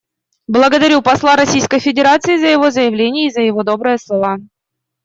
Благодарю посла Российской Федерации за его заявление и за его добрые слова.